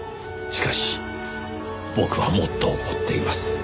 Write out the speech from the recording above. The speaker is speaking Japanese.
しかし僕はもっと怒っています。